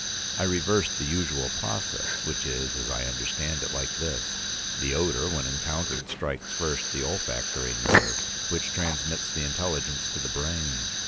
I reversed the usual process, which is, as I understand it, like this: the odor when encountered strikes first the olfactory nerve, which transmits the intelligence to the brain.